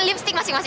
gue mau kak